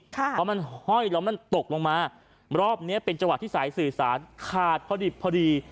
เพราะมันห้อยแล้วมันตกลงมารอบนี้เป็นจังหวะที่สายสื่อสารขาดพอดิบพอดี